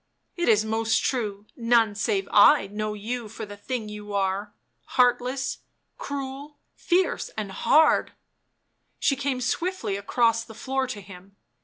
"It is most true none save I know you for the thing you are — heartless, cruel, fierce and hard " She came swiftly across the floor to him.